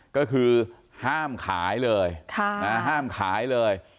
ก็คือห้ามขายเลย